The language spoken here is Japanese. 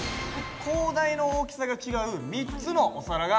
高台の大きさが違う３つのお皿があります。